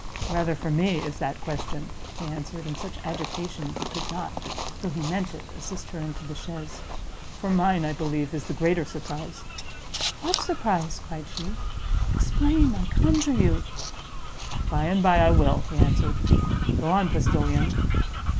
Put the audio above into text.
"Rather for me is that question," he answered, in such agitation he could not, though he meant it, assist her into the chaise, "for mine, I believe, is the greater surprise!" "What surprise?" cried she, "explain, I conjure you!" "By and bye I will," he answered; "go on postilion."